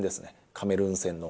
カメルーン戦の。